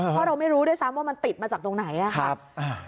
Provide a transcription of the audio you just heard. เพราะเราไม่รู้ด้วยซ้ำว่ามันติดมาจากตรงไหนครับ